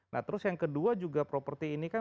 nah terus yang kedua juga properti ini kan